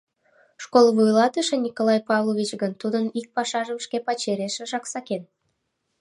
Школ вуйлатыше Николай Павлович гын тудын ик пашажым шке пачерешыжак сакен.